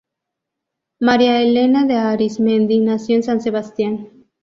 María Elena de Arizmendi nació en San Sebastián.